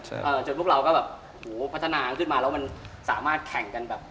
ใช่จนพวกเราก็แบบหูพัฒนาขึ้นมาแล้วมันสามารถแข่งกันแบบ